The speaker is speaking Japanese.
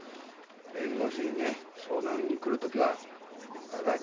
弁護士にね相談に来る時はあれだよ